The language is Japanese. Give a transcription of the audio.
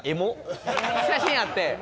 写真あって。